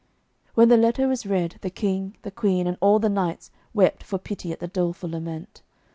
When the letter was read, the King, the Queen, and all the knights wept for pity at the doleful lament.